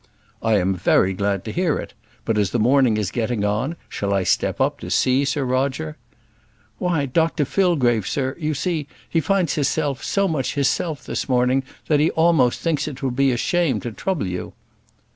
"I'm very glad to hear it; but as the morning is getting on, shall I step up to see Sir Roger?" "Why, Dr Fillgrave, sir, you see, he finds hisself so much hisself this morning, that he a'most thinks it would be a shame to trouble you."